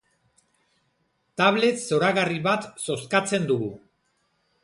Tablet zoragarri bat zozkatzen dugu.